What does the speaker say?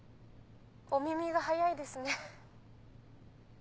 お耳が早いですね。